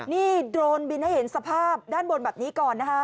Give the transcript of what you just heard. นี่โดรนบินให้เห็นสภาพด้านบนแบบนี้ก่อนนะคะ